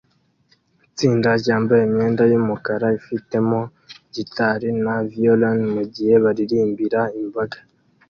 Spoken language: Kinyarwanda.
Itsinda ryambaye imyenda yumukara ifitemo gitari na violon mugihe baririmbira imbaga